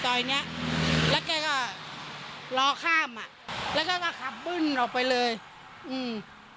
ซอยเนี้ยแล้วแกก็รอข้ามอ่ะแล้วแกก็ขับบึ้นออกไปเลยอืม